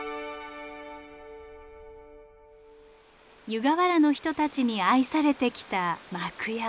湯河原の人たちに愛されてきた幕山。